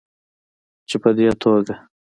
چې په دې توګه